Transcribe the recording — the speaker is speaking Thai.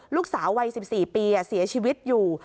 ลูกสาววัย๑๔ปีเสียชีวิตอยู่